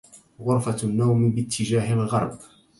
غرفة النوم باتجاه الغرب.